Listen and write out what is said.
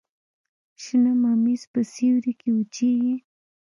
شنه ممیز په سیوري کې وچیږي.